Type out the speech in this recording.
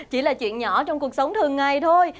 chỉ là chuyện nhỏ trong cuộc sống thường ngày thôi